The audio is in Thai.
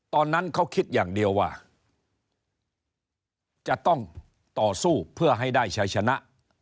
ตอนนั้นเขาคิดอย่างเดียวว่าจะต้องต่อสู้เพื่อให้ได้ชัยชนะ